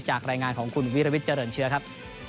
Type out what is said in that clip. รายงานของคุณวิรวิทย์เจริญเชื้อครับ